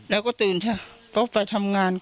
แล้วก็ตื่นเท่ะถูกป้าไปทำงาน